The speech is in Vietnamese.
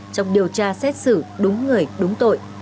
trong điều tra xét xử đúng người đúng tội